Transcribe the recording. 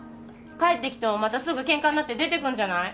帰ってきてもまたすぐケンカになって出てくんじゃない？